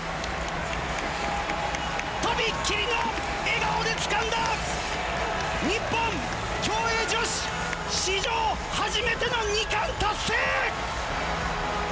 とびっきりの笑顔でつかんだ日本競泳女子史上初めての２冠達成！